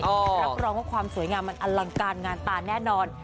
รับรองว่าความสวยงามมันอลังการงานตาแน่นอน